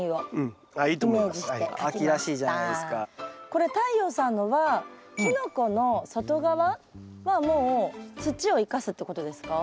これ太陽さんのはキノコの外側はもう土を生かすってことですか？